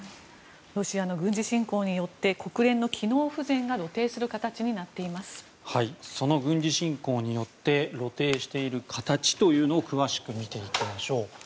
ロシアの軍事侵攻によって国連の機能不全がその軍事侵攻によって露呈している形を詳しく見ていきましょう。